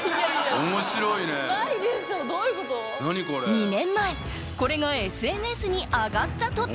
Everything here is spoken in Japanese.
２年前これがＳＮＳに上がった途端！